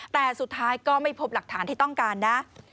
แต่สุดท้ายก็ไม่พบหลักฐานที่ต้องการนะ